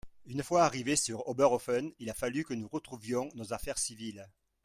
Une fois arrivé sur Oberhoffen il a fallu que nous retrouvions nos affaires civiles